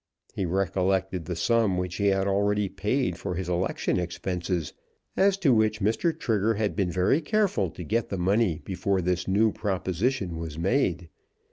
He recollected the sum which he had already paid for his election expenses, as to which Mr. Trigger had been very careful to get the money before this new proposition was made.